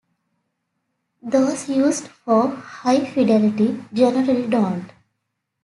Those used for high-fidelity generally don't.